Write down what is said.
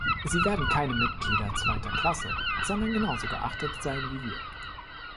Sie werden keine Mitglieder zweiter Klasse, sondern genauso geachtet sein wie wir.